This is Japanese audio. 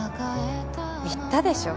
言ったでしょ。